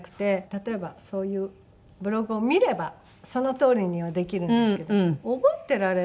例えばそういうブログを見ればそのとおりにはできるんですけど覚えてられ。